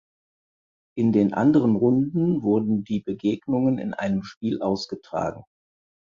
In den anderen Runden wurden die Begegnungen in einem Spiel ausgetragen.